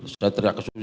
saya teriak ke susi